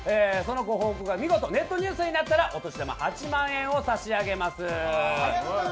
そのご報告が、見事ネットニュースになったらお年玉８万円を差し上げます。